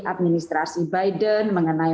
administrasi biden mengenai